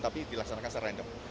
tapi dilaksanakan secara random